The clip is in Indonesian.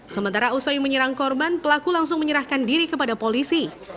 sementara usai menyerang korban pelaku langsung menyerahkan diri kepada polisi